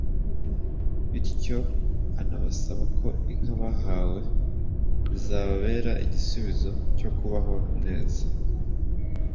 bityo anabasaba ko inka bahawe zababera igisubizo cyo kubaho neza